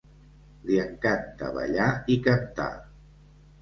Li encanta ballar i cantar.